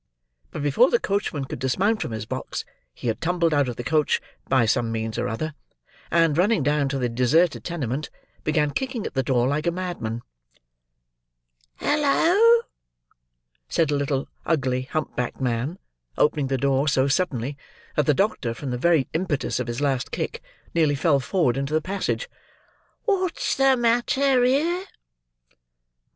But, before the coachman could dismount from his box, he had tumbled out of the coach, by some means or other; and, running down to the deserted tenement, began kicking at the door like a madman. "Halloa?" said a little ugly hump backed man: opening the door so suddenly, that the doctor, from the very impetus of his last kick, nearly fell forward into the passage. "What's the matter here?"